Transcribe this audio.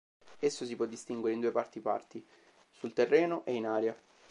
Esso si può distinguere in due parti parti: sul terreno e in aria.